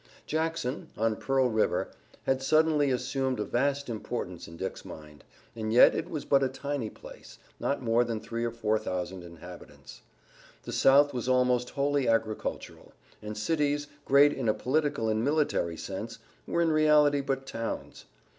Jackson, on Pearl River, had suddenly assumed a vast importance in Dick's mind, and yet it was but a tiny place, not more than three or four thousand inhabitants. The South was almost wholly agricultural, and cities, great in a political and military sense, were in reality but towns.